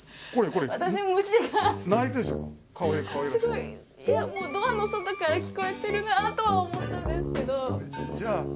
いやもうドアの外から聞こえてるなとは思ったんですけど。